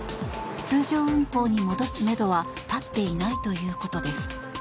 通常運行に戻すめどは立っていないということです。